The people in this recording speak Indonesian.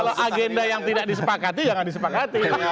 kalau agenda yang tidak disepakati jangan disepakati